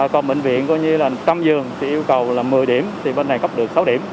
còn bệnh viện một trăm linh giường thì yêu cầu là một mươi điểm thì bên này có được sáu điểm